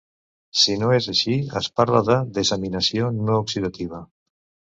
Si no és així, es parla de desaminació no oxidativa.